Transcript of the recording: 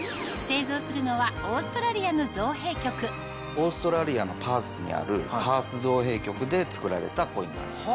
オーストラリアのパースにあるパース造幣局で作られたコインになります。